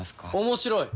面白い！